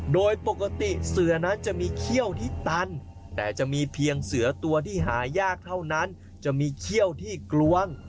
โดยปกติเสือนั้นจะมีเขี้ยวที่ตันแต่จะมีเพียงเสือตัวที่หายากเท่านั้นจะมีเขี้ยวที่กลวง